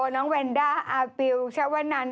น้องแวนด้าอาปิวชวนัน